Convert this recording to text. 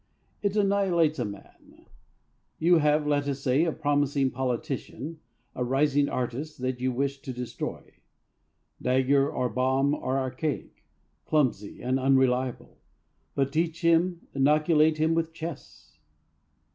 It annihilates a man. You have, let us say, a promising politician, a rising artist, that you wish to destroy. Dagger or bomb are archaic, clumsy, and unreliable but teach him, inoculate him with chess!